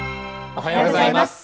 おはようございます。